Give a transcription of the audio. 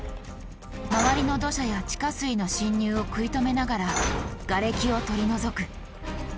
周りの土砂や地下水の侵入を食い止めながらガレキを取り除く。